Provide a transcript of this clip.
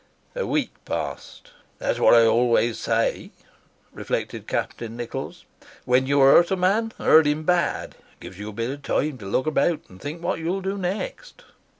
A week passed. "That's what I always say," reflected Captain Nichols, "when you hurt a man, hurt him bad. It gives you a bit of time to look about and think what you'll do next."